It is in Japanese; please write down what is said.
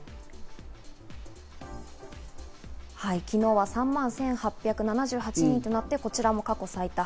昨日は３万１８７８人となって、こちらも過去最多。